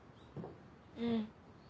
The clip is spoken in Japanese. うん。